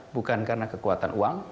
bukan karena kekuatan uang